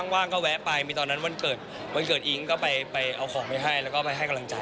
ว่างก็แวะไปมีตอนนั้นวันเกิดวันเกิดอิ๊งก็ไปเอาของไปให้แล้วก็ไปให้กำลังใจ